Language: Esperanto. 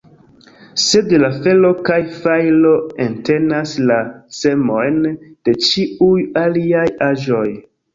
Sed la fero kaj fajro entenas la semojn de ĉiuj aliaj aĵoj.